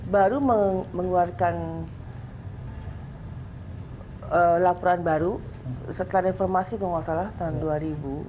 baru mengeluarkan laporan baru setelah reformasi kalau nggak salah tahun dua ribu